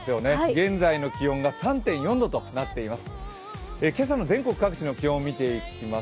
現在の気温が３．４度となっています